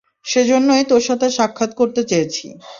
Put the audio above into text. সেজন্যই তোর সাথে সাক্ষাৎ করতে চেয়েছি!